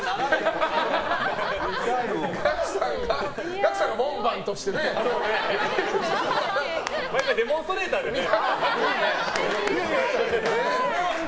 学さんが門番としてね。デモンストレーターでね。